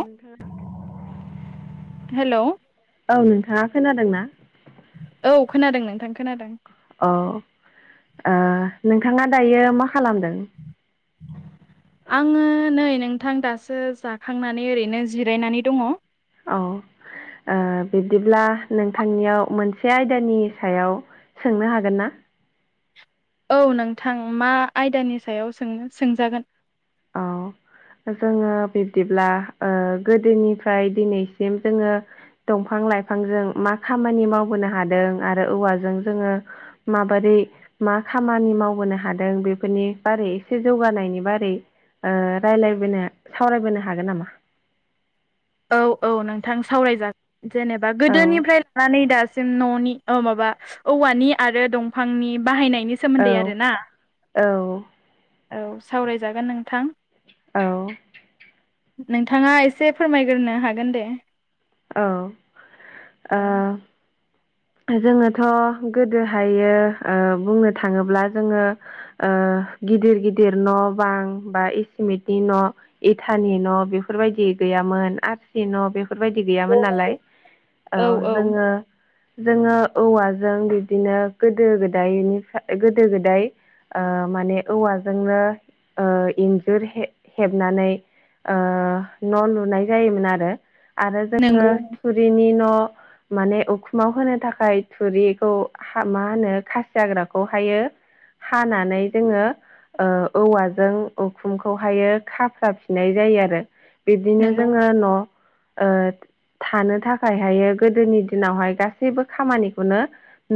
ओ नोंथांङा हेल'। औ नोंथांङा खोनादों ना? औ खोनादों नोंथां खोनादों। अ ओ नोंथांङा दायो मा खालामदों? [inaudible] आंङो नै नोंथां दासो जाखांनानै ओरैनो जिरायनानै दंङ। औ। ओ बिदिब्ला नोंथांनियाव मोनसे आयदानि सायाव सोंनो हागोन ना? औ नोंथां मा आयदानि सायाव सोंनो सोंजागोन। जोंङो बिब्दिब्ला ओ गोदोनिफ्राय दिनैसिम जोंङो दंफां लाइफांजों मा खामानि मावबोनो हादों आरो औवाजों जोंङो माबादि बादि मा खामानि मावबोनो हादों बेफोरनि बारै एसे जौगानायनि बारै ओ राय्लायबोनो सावरायबोनो हागोन नामा? औ औ नोंथां सावराय जागोन जेनेबा औ गोदोनिफ्राय लानानै दा दासिम न'नि अ माबा औवानि आरो दंफांनि बाहायनि नि औ सोमोन्दै आरोना औ औ सावराय जागोन नोंथां। औ। नोंथांङा एसे फोरमायग्रोनो हागोन दे। औ ओ जोंङोथ' गोदोहायो ओ बुंनो थांङोब्ला जोंङो ओ गिदिर गिदिर न' बां बा एसिमिटिन न', एथानि न', बेफोरबायदि गैयामोन आर सि न' बेफोरबायदि गैयामोन नालाय ओ औ औ जोंङो जोंङो औवाजों बिदिनो गोदो गोदायनिफ्राय गोदो गोदाय ओ माने औवाजोंनो ओ इन्जुर हे-हेबनानै ओ न' लुनाय जायोमोन आरो। आरो जोंङो नंगौ थुरिनि न' माने उखु मावहोनो थाखाय थुरिखौ हा मा होनो खासि हाग्राखौ हायो हानानै जोंङो ओ औवाजों उखुमखौहायो खाफ्राफिननाय जायो जायो आरो। बिब्दिनो नंगौ जोंङो न' ओ थानो थाखायहायो गोदोनि दिनावहाय गासैबो खामानिखौनो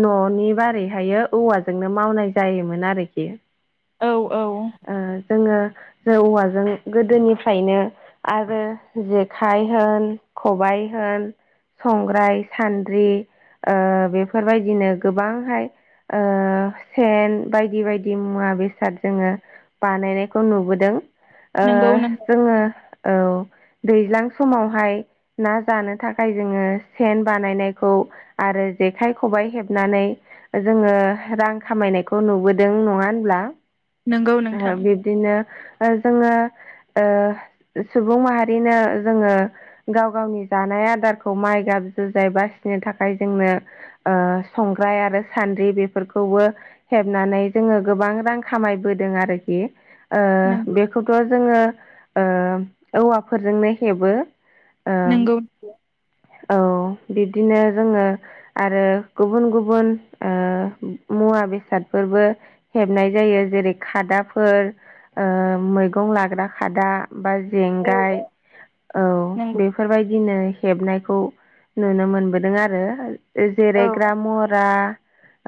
न'नि बारैहायो औवाजोंनो मावनाय जायोमोन आरोखि औ औ ओ जोंङो जों औवाजों गोदोनिफ्रायनो आरो जेखाइ होन खबाय होन संग्राय, सान्द्रि ओ बेफोरबायदिनो गोबांहाय ओ सेन बायदि बायदि मुवा बेसाद जोंङो बानायनायखौ नुबोदों ओ नंगौ नंगौ जोंङो औ दैज्लां समावहाय ना जानो थाखाय जोंङो सेन बानायनाय खौ आरो जेखाइ, खबाय हेबनानै जोंङो रां खामायनायखौ नुबोदों। नङा होनब्ला नंगौ नोंथां बिब्दिनो ओ जोंङो ओ सुबुं माहारिनो जोंङो गाव-गावनि जानाय आदारखौ माइ गाब जुजाय बास नि थाखाय जोंनो ओ संग्राय आरो सान्द्रि बेफोरखौबो हेबनानै जों जोंङो गोबां रां खामायबोदों आरोखि, नंगौ ओ बेखौथ' जोंङो ओ औवाफोरजोंनो हेबो, ओम नंगौ औ बि बिदिनो जोङो आरो गुबुन गुबुन ओ मुवा बेसादफोरबो हेबनाय जायो जेरै खादाफोर ओ मैगं लाग्रा खादा बा औ जेंगाय औ औ नंगौ बेफोरबायदिनो हेबनायखौ नुनो मोनबोदों आरो औ जेरायग्रा मरा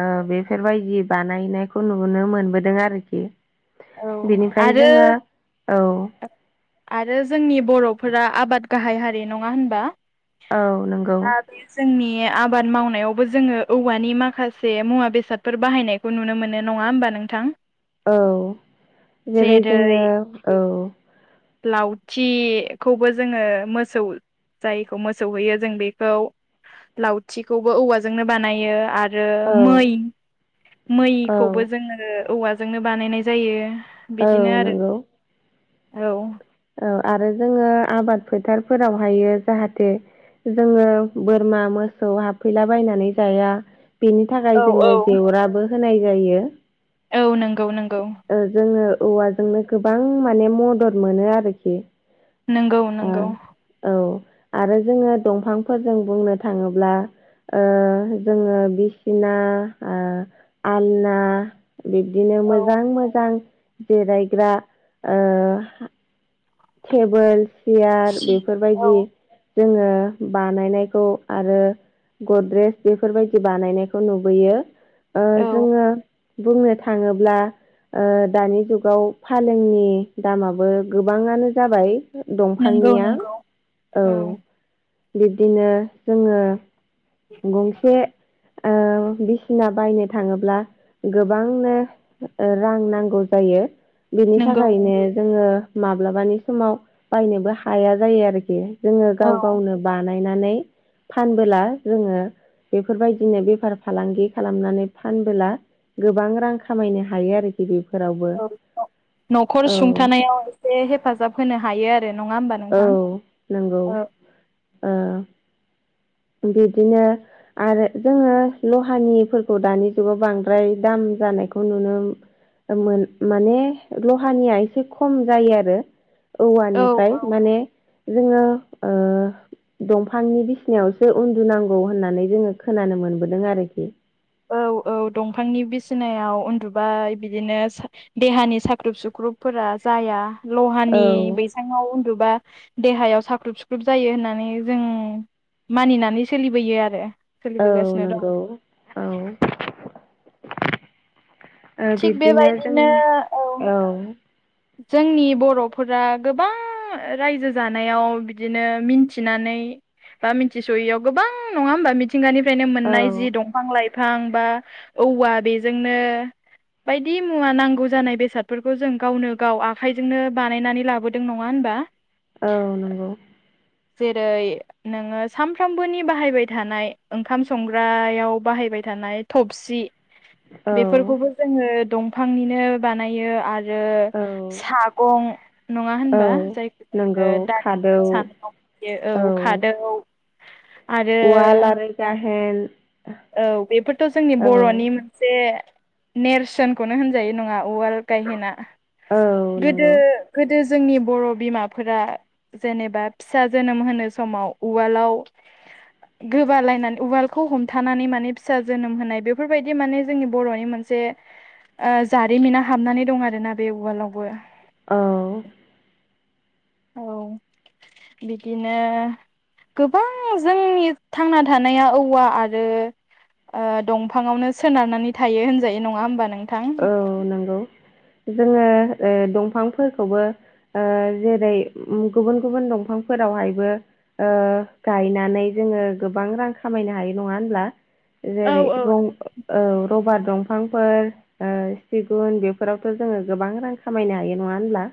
ओ बेफोरबायदि बानायनायखौ नुनो मोनबोदों आरोखि। औ बेनिफ्राय आरो जोङो ओ आरो जोंनि बर'फोरा आबाद गाहाय हारि बे नङा होनबा औ नंगौ दा बे जोंनि आबाद मावनायावबो जोङो औवानि माखासे मुवा बेसादफोर बाहायनायखौ नुनो मोनो नङा ओमबा नो नोंथां? औलजेरै जेरै जोङो औ लावथिखौबो जोङो मोसौ जायखौ मोसौ होयो जों बेखौ लावथिखौबो औवाजोंनो बानायो आरो आरो मै औ मैखौबो औ जोङो औवाजोंनो बानायनाय जायो। औ नंगौ। औ। औ आरो जोङो आबाद फोथारफोरावहायो जाहाथे जोङो बोरमा मोसौ हाबफैला बायनानै जाया। बेनि औ थाखाय जोंङो औ जेवराबो होनाय जायो। औ नंगौ नंगौ। ओ जोङो औवाजोंनो गोबां माने मदद मोनो आरोखि। नोंगौ ओ नंगौ। औ आरो जोङो दंफांफोरजों बुंनो थाङोब्ला ओ जोंङो बिसिना, ओ आलना बिब्दिनो औ मोजां मोजां जिरायग्रा ओ हा टेबोल सियार सि औ बेफोरबायदि जोंङो बानायनायखौ आरो गद्रेज, बेफोरबायदि बानायनायखौ नुबोयो, ओ औ जोङो बुंनो थाङोब्ला ओ दानि जुगाव फालेंनि दामाबो गोबाङानो जाबाय। नंगौ दंफांनिया, नंगौ औ बिबदिनो जोंङो गंसे ओ बिसिना बायनो थाङोब्ला गोबांनो रां नांगौ जायो। बिनि नंगौ थाखायनो नंगौ जोङो माब्लाबानि समाव बायनोबो हाया जायो आरोखि। जोंङो औ गाव गावनो बानायनानै फानबोला जोंङो बेफोरबायदिनो बेफार फालांगि खालामनानै फानबोला गोबां रां खामायनो हायो आरोखि बेफोर औ न'खर सुंथानायाव एसे हेफाजाब होनो हा हायो आरो नङा होमबा औ नोंथां? नंगौ औ ओ बिदिनो आरो जोङो लहानिफोरखौ दानि जुगाव बांद्राय दाम जानायखौ नुनो मोन माने लहानिया एसे खम जायो आरो। औवानिफ्राय औ माने जोंङो ओ दंफांनि बिसिनायाव सो उन्दुनांगौ होननानै जोंङो खोनानो मोनबोदों आरोखि औ औ दंफांनि बिसिनायाव उन्दुबाय बिदिनो सा देहानि साख्रुब सुख्रुब फोरा जाया औ लहानि बैङाव उन गुबा देहायाव साख्रुब सुख्रुब जायो होननानै जों मानिनानै सोलिबोयो आरो औ सोलिबोगासिनो दं नंगौ औ ओ थिग बिब्दिनो जों बेबायदिनो औ जोंनि बर'फोरा गोबां रायजो जानायाव बिदिनो मिन्थिनानै बा मिथिस'यैयाव गोबां नङा होमबा मिथिंगानिफ्रायनो औ मोननाय जि दंफां लाइ फां बा औवा बेजोंनो बायदि मुवा नांगौ जानाय बेसादफोरखौ जों गावनो गाव आखाइजोंनो बानायनानै लाबोदों नङा होनबा औ नंगौ जेरै नोङो सानफ्रामबोनि बाहायबाय थानाय ओंखाम संग्रायाव बाहाय बाय थानाय थबसि औ बेफोरखौबो जोङो दंफांनिनो बानायो आरो औ सागं नङा होनबा औ जायखौ जोङो नंगौ खादौ दालि सानायाव बाहायो औ खादौ आरो उवाल आरो गाहेन औ बेफोरथ' जोंनि औ बर'नि मोनसे नेरसोनखौनो होन जायो नङा उवाल गायहेना औ गोदो नंगौ गोदो जोंनि बर' बिमाफोरा जेनेबा फिसा जोनोम होनो समाव उवालाव गोबालायनानै उवालखौ हम थानानै माने फिसा जोनोम होनाय बेफोरबायदि माने जोंनि बर'नि मोनसे ओ जारिमिना हाबनानै दं आरो ना बे उवालावबो औ औ [inaudible] बिदिनो गोबां जोंनि थांना थानाया औवा आरो ओ दंफाङावनो सोनारनानै थायो होनजायो नङा होमबा नों औ नोंगौ जोङो ओ दंफांफोरखौबो ओ जेरै गुबुन गुबुन दंफांफोरावहायबो ओ गायनानै जोङो गोबां रां खामायनो हायो नङा होनब्ला औ जेरै रं औ रबार दंफांफोर ओ सिगुन बेफोरावथ' जोङो गोबां रां खामायनो हायो नङा होनब्ला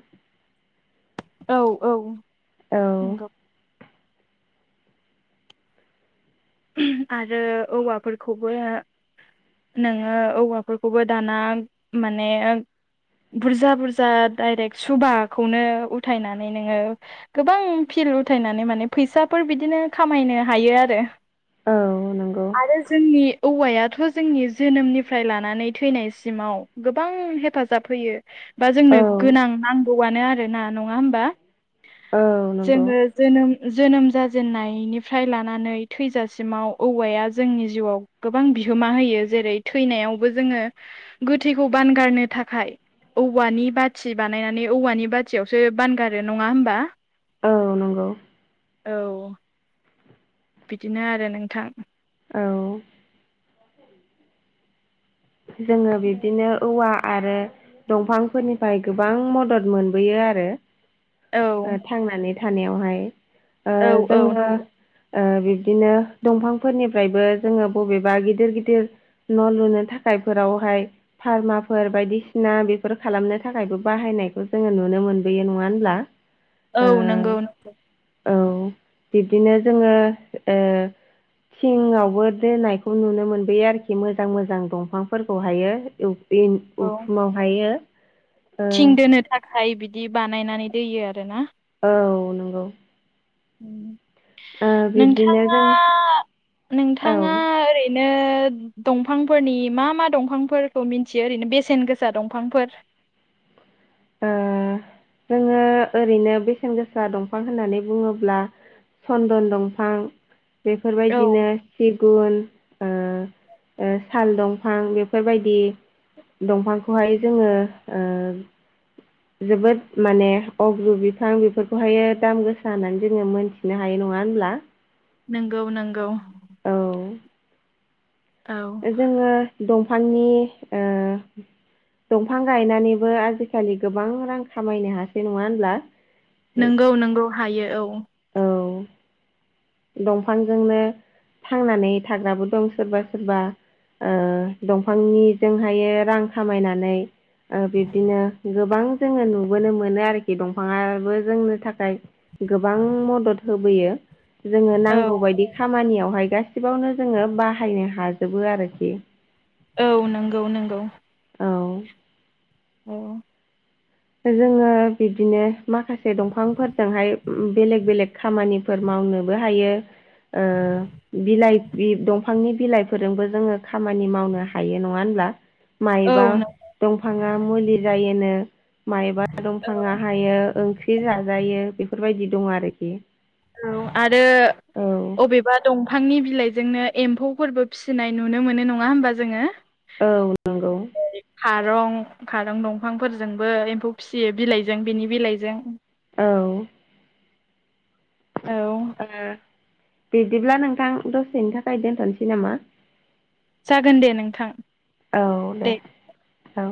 औ औ औ आरो औवाफोरखौबो नोङो औवाफोरखौबो दाना माने बुरजा बुरजा डाइरेक्ट सुबाखौनो उथायनानै नोङो गोबां फि उथायनानै माने फैसाफोर बिदिनो खामायनो हायो आरो औ नंगौ आरो जोंनि औवायाथ' जोंनि जोनोमनिफ्राय लानानै थैनायसिमाव गोबां हेफाजाब होयो बा जोंनो औ गोनां नांगौआनो आरो ना नङा होमबा औ नंगौ जोङो जोनोम जोनोम जाजेननायनिफ्राय लानानै थैजा सिमाव औवाया जोंनि जिउआव गोबां बिहोमा होयो जेरै थैनायावबो जोङो गोथैखौ बानगारनो थाखाय औवानि बाथि बानायनानै औवानि बाथियावसो बानगारो नङा होमबा औ नंगौ औ। बिदिनो आरो नोंथां। औ। जोङो बिबदिनो औवा। आरो दंफांफोरनिफ्राय गोबां मदद मोनबोयो आरो। औ थांनानै थानायावहाय ओ औ औ जोङो। ओ बिब्दिनो दंफांफोरनिफ्रायबो जोङो बबेबा गिदिर गिदिर न' लुनो था। खायफोरावहाय फार्माफोर बायदिसिना बेफोर खालामनो थाखायबो बाहायनायखौ जोङो नुनो। मोनबोयो नङा होनब्ला। औ ओ नोंगौ नोंगौ। औ बिब्दिनो जोङो ओ। थिङावबो दोनायखौ नुनो मोनबोयो आरोखि मोजां मोजां दं दंफांफोरखौहायो औ ओइ नंगौ उखुमावहायो। ओ थिं दोनो थाखाय बिदि बानायनानै दोयो आरो ना। औ नंगौ। ओम ओ बिब्दिनो नोंथाङा जों औ नोंथाङा ओ ओरैनो। नो दंफांफोरनि मा मा दंफांफोरखौ मिथियो ओरैनो बेसेन गोसा दंफांफोर। ओ जोङो ओरैनो बेसेन गोसा दंफां होननानै बुङोब्ला। चन्दन दंफां। औ बेफोरबायदिनो सिगुन ओ ओ। साल दंफां बेफोरबायदि दंफांखौहाय जोङो ओ। जोबोद माने अग्रु बिफां बेफोरखौहायो दाम गोसा होननानै जोङो मोनथिनो हायो नङा। नङा होनब्ला। नोंगौ नोंगौ। [unintelligible] औ जोङो दंफांनि ओ। दंफां गायनानैबो आजिखालि गोबां रां खामायनो हासै नङा होनब्ला। नोंगौ नोंगौ हायो औ। औ दंफांजोंनो। थांनानै थाग्राबो दं सोरबा सोरबा। ओ दंफांनिजोंहायो रां खामायनानै ओ बिब्दिनो। गोबां जोङो नुबोनो मोनो आरोखि दंफाङाबो जोंनो थाखाय गो‌ गोबां मदद होबोयो जोङो औ नांगौ बायदि खामानियावहाय गासि बावनो जोङो बाहायनो हाजोबो आरोखि औ नोंगौ नोंगौ। औ औ। जोङो बिदिनो माखासे दंफांफोरजोंहाय बेलेग बेलेग खामानिफोर मावनोबो हायो ओ बिलाइ बि दंफां फांनि बिलाइफोरजोंबो जोङो खामानि मावनो हायो नङा होनब्ला माइबा औ दंफाङा मुलि जायोनो मायबा दंफांआ हायो ओंख्रि जाजायो बेफोरबायदि दङ आरोखि औ आरो औ अबेबा दंफांनि बिलाइ जोंनो एम्फौफोरबो फिसिनाय नुनो मोनो नङा होमबा जोङो। औ नोंगौ। खारं खारं दंफांफोरजोंबो एम्फौ फिसियो बिलाइजों बिनि बिलाइजों। औ। औ ओ। बिदिब्ला नोंथां दसेनि थाखाय दोनथनोसै नामा। जागोन दे नोंथां औ दे औ।